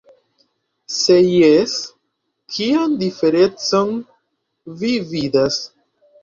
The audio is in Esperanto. Se jes, kian diferencon vi vidas?